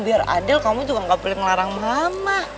biar adil kamu juga gak boleh ngelarang mama